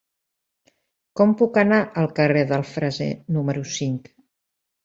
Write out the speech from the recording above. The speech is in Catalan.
Com puc anar al carrer del Freser número cinc?